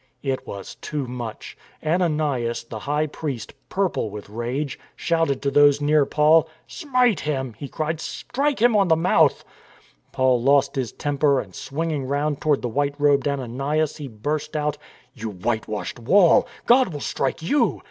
It was too much. Ananias, the high priest, purple with rage, shouted to those near Paul : "Smite him!" he cried. "Strike him on the mouth." Paul lost his temper, and swinging round toward the white robed Ananias he burst out : "You white washed wall, God will strike you!